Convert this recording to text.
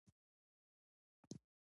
شاه محمود د خپلو توپونو ملاتړ ترلاسه کړ.